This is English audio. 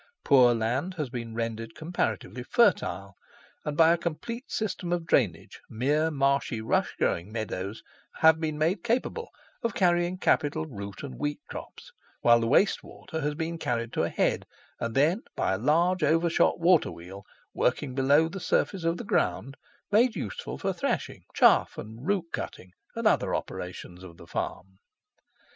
Poor land has been rendered comparatively fertile, and by a complete system of drainage, mere marshy rush growing meadows have been made capable of carrying capital root and wheat crops, while the waste water has been carried to a head, and then by a large overshot water wheel, working below the surface of the ground, made useful for thrashing, chaff and root cutting, and other operations of the farm.